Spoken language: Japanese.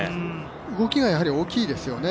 動きがやはり大きいですよね。